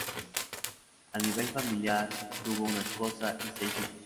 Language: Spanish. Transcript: A nivel familiar, tuvo una esposa y seis hijos.